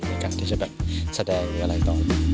ในการที่จะแบบแสดงหรืออะไรต่อ